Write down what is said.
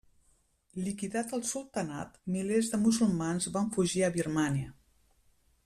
Liquidat el sultanat, milers de musulmans van fugir a Birmània.